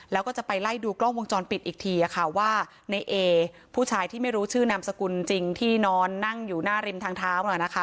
แล้วก็จะไปไล่ดูกล้องวงจรปิดอีกทีค่ะว่าในเอผู้ชายที่ไม่รู้ชื่อนามสกุลจริงที่นอนนั่งอยู่หน้าริมทางเท้า